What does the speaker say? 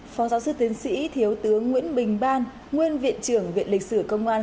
phó giáo sư tiến sĩ thiếu tướng nguyễn bình ban nguyên viện trưởng viện lịch sử công an